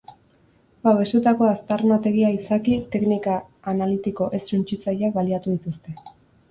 Babestutako aztarnategia izaki, teknika analitiko ez suntsitzaileak baliatu dituzte.